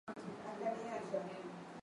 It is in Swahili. meli ya titanic iliendelea kuzama